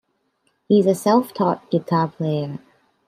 He is a self-taught guitar player.